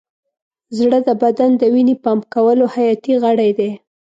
زړه د بدن د وینې پمپ کولو حیاتي غړی دی.